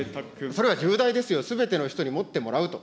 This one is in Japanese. それは重大ですよ、すべての人に持ってもらうと。